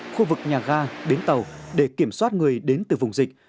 khu vực nhà ga bến tàu để kiểm soát người đến từ vùng dịch